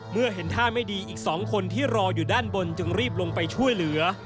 เมื่อเห็นท่าไม่ดีอีก๒คนที่รออยู่ด้านบนจึงรีบลงไปช่วยเหลือ